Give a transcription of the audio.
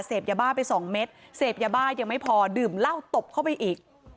เสพยาบ้าไปสองเม็ดเสพยาบ้ายังไม่พอดื่มเหล้าตบเข้าไปอีก